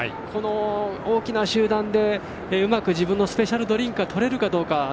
この大きな集団でうまく自分のスペシャルドリンクがとれるかどうか。